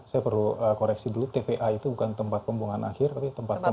saya perlu koreksi dulu tva itu bukan tempat pembuangan akhir tapi tempat pemrosesan akhir